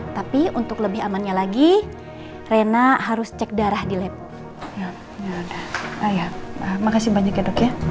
tapi untuk lebih amannya lagi rena harus cek darah di lab ya dok ya